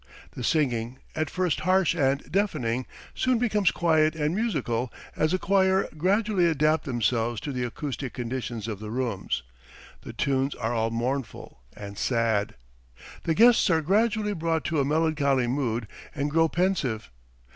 The singing, at first harsh and deafening, soon becomes quiet and musical as the choir gradually adapt themselves to the acoustic conditions of the rooms. ... The tunes are all mournful and sad. ... The guests are gradually brought to a melancholy mood and grow pensive.